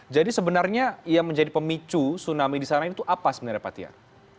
jadi sebenarnya yang menjadi pemicu tsunami di sana itu apa sebenarnya pak tiar